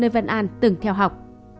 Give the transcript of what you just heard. vân an từng theo học